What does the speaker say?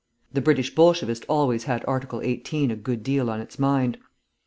The British Bolshevist always had Article 18 a good deal on its mind.